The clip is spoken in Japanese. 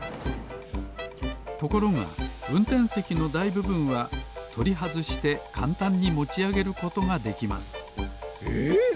ところがうんてんせきのだいぶぶんはとりはずしてかんたんにもちあげることができますえっ？